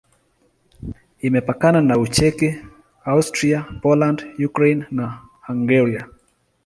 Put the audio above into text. Imepakana na Ucheki, Austria, Poland, Ukraine na Hungaria.